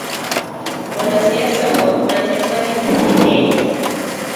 mwanasiasa machachari nchini Kenya